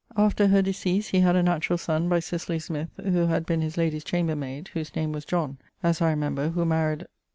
After her decease he had a naturall sonne by Cicely Smyth, who had been his lady's chamber mayd, whose name was John, as I remember, who maried